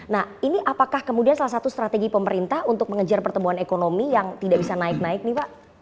nah ini apakah kemudian salah satu strategi pemerintah untuk mengejar pertumbuhan ekonomi yang tidak bisa naik naik nih pak